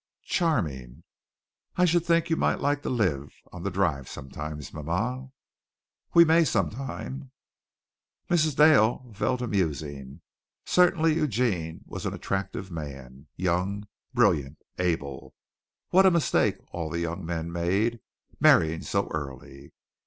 "Charming." "I should think you might like to live on the Drive sometime, ma ma." "We may sometime." Mrs. Dale fell to musing. Certainly Eugene was an attractive man young, brilliant, able. What a mistake all the young men made, marrying so early.